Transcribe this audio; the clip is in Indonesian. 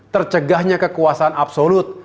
tercegahnya kekuasaan absolut